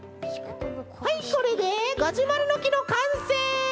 はいこれでガジュマルのきのかんせい！